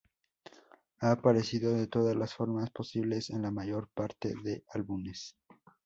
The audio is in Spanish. Ha aparecido de todas las formas posibles en la mayor parte de álbumes.